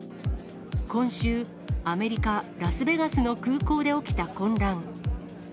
今週、アメリカ・ラスベガスの空港で起きた混乱。